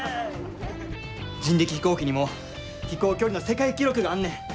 人力飛行機にも飛行距離の世界記録があんねん。